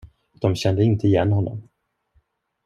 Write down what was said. De kände inte igen honom.